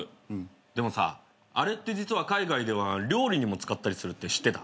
でもさあれって実は海外では料理にも使ったりするって知ってた？